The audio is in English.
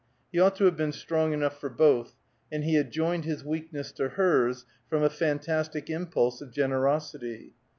He ought to have been strong enough for both, and he had joined his weakness to hers from a fantastic impulse of generosity.